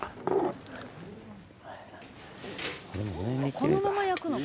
「このまま焼くの？」